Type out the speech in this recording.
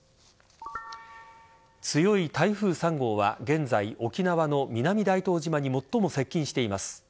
強い台風３号は、現在沖縄の南大東島に最も接近しています。